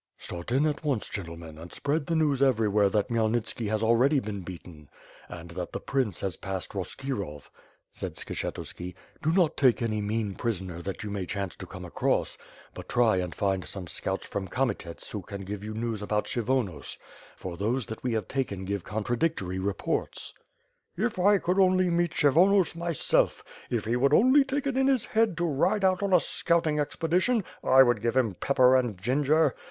"Start in at once, gentlemen, and spread the news every where that Khmyelnitski has already been beaten and that the prince has passed Roskirov," said Skshetuski. "Do not take any mean prisoner that you may chance to come across, but try and find some scouts from Kametets who can give you news about Kshyvonos, for those that we have taken give con tradictory reports." "If I could only meet Kshyvonos myself. If he would only take it into his head to ride out on a scouting expedition, I would give him pepper and ginger.